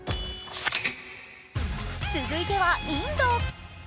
続いてはインド。